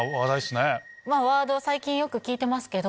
ワードは最近よく聞いてますけど。